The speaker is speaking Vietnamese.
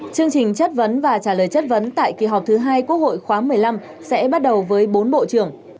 chương trình chất vấn và trả lời chất vấn tại kỳ họp thứ hai quốc hội khóa một mươi năm sẽ bắt đầu với bốn bộ trưởng